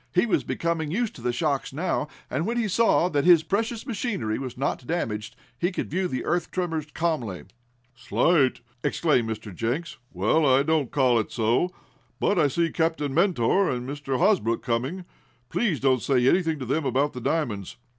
He was becoming used to the shocks now, and, when he saw that his precious machinery was not damaged he could view the earth tremors calmly. "Slight!" exclaimed Mr. Jenks. "Well, I don't call it so. But I see Captain Mentor and Mr. Hosbrook coming. Please don't say anything to them about the diamonds.